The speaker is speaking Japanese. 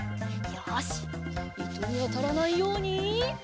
よしいとにあたらないように。